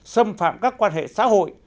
xâm phạm các quan hệ xã hội